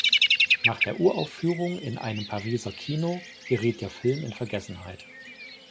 Nach der Uraufführung in einem Pariser Kino geriet der Film in Vergessenheit.